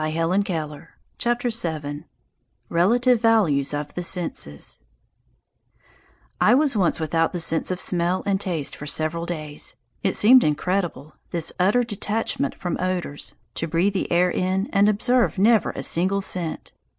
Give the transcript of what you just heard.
RELATIVE VALUES OF THE SENSES VII RELATIVE VALUES OF THE SENSES I WAS once without the sense of smell and taste for several days. It seemed incredible, this utter detachment from odours, to breathe the air in and observe never a single scent.